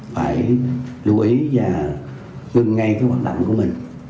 phải lưu ý và ngưng ngay hoạt động của mình